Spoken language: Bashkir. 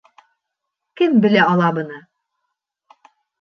Кем белә ала быны?